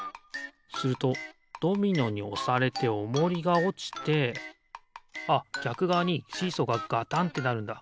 するとドミノにおされておもりがおちてあっぎゃくがわにシーソーがガタンってなるんだ。